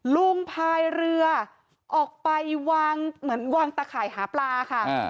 พายเรือออกไปวางเหมือนวางตะข่ายหาปลาค่ะ